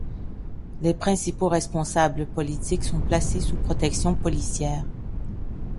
Les principaux responsables politiques sont placés sous protection policière.